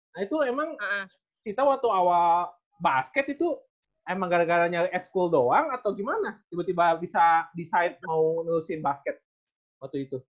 nah itu emang kita waktu awal basket itu emang gara gara nya school doang atau gimana tiba tiba bisa decide mau nusin basket waktu itu